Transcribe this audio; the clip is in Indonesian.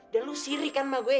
dan lo sirikan sama gue ya kan